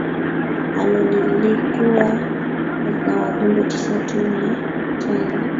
alo lilikuwa na wajumbe tisa tu na tena